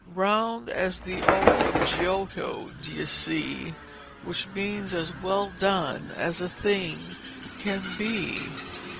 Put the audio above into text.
'Round as the O of Giotto, d' ye see; Which means as well done as a thing can be.'